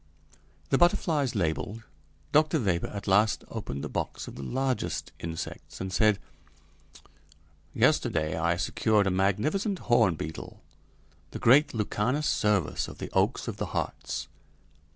The butterflies labeled, Dr. Weber at last opened the box of the largest insects, and said: "Yesterday I secured a magnificent horn beetle, the great Lucanus cervus of the oaks of the Hartz.